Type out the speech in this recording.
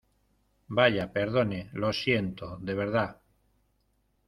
¡ vaya, perdone , lo siento , de verdad!